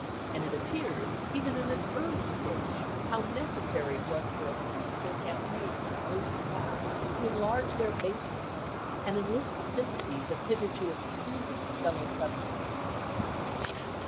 And it appeared, even in this early stage, how necessary it was for a fruitful campaign on their own behalf to enlarge their basis, and enlist the sympathies of hitherto excluded fellow subjects.